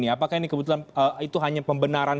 apakah ini kebetulan itu hanya pembenaran